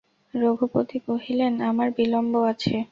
রঘুপতি কহিলেন, আমার বিলম্ব আছে।